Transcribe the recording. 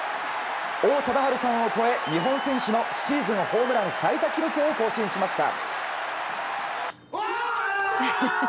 王貞治さんを超え日本選手のシーズン最多ホームラン記録を更新しました。